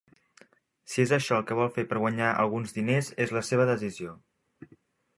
Si és això el que vol fer per guanyar alguns diners, és la seva decisió.